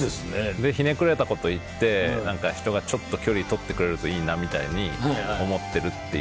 でひねくれたこと言って何か人がちょっと距離取ってくれるといいなみたいに思ってるっていう。